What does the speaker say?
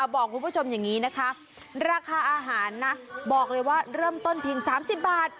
บอกคุณผู้ชมอย่างนี้ราคาอาหารเริ่มต้นถึง๓๐บาท